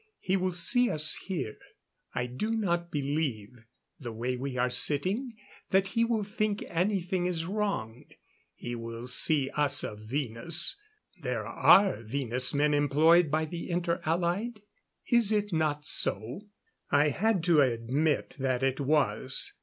He will see us here I do not believe, the way we are sitting, that he will think anything is wrong. He will see us of Venus. There are Venus men employed by the Inter Allied. Is it not so?" I had to admit that it was.